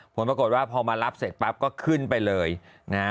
ผลปรากฏว่าพอมารับเสร็จปั๊บก็ขึ้นไปเลยนะฮะ